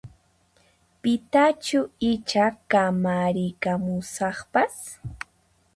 Pitachu icha kamarikamusaqpas?